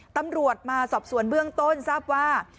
ตำรวจมาสอบสวนเบื้องต้นทราบว่า